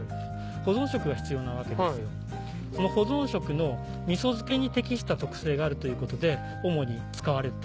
その保存食の味噌漬けに適した特性があるということで主に使われてたんですね。